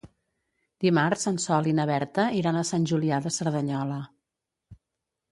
Dimarts en Sol i na Berta iran a Sant Julià de Cerdanyola.